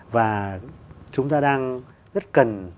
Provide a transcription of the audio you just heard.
và chúng ta đang rất cần